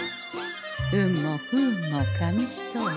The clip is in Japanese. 運も不運も紙一重。